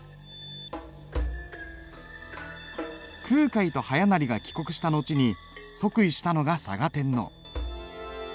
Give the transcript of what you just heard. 空海と逸勢が帰国した後に即位したのが嵯峨天皇。